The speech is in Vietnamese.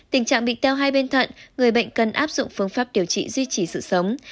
tình trạng bị teo hai bên thận người bệnh cần áp dụng phương pháp điều trị duy trì sự sống